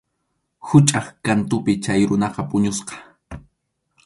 Quchap kantunpi chay runaqa puñusqa.